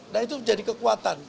dan itu menjadi kekuatan